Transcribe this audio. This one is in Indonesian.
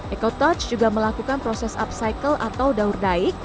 ecotouch juga melakukan proses upcycle atau daur daik